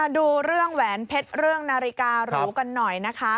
ดูเรื่องแหวนเพชรเรื่องนาฬิการูกันหน่อยนะคะ